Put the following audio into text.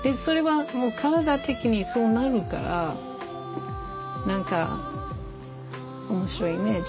それはもう体的にそうなるから何か面白いね。